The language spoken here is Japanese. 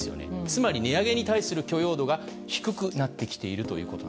つまり、値上げに対する許容度が低くなってきていると。